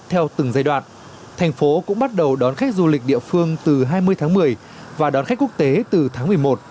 theo từng giai đoạn thành phố cũng bắt đầu đón khách du lịch địa phương từ hai mươi tháng một mươi và đón khách quốc tế từ tháng một mươi một